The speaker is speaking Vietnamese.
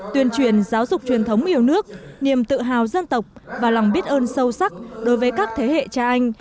tuyên truyền giáo dục truyền thống yêu nước niềm tự hào dân tộc và lòng biết ơn sâu sắc đối với các thế hệ cha anh